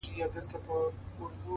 پرمختګ د عادتونو په سمون ولاړ دی؛